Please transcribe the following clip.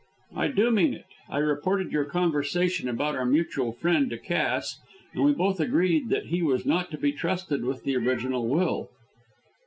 "I do mean it. I reported your conversation about our mutual friend to Cass, and we both agreed that he was not to be trusted with the original will.